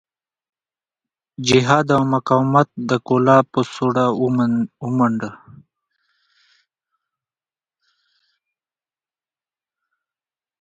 جهاد او مقاومت د کولاب په سوړه ومانډه.